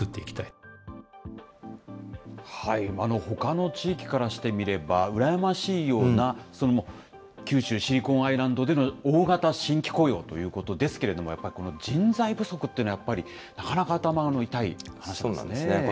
ほかの地域からしてみれば、うらやましいような、それも九州シリコンアイランドでの大型新規雇用ということですけれども、やっぱり、この人材不足というのはやっぱり、なかなか頭の痛い話ですね。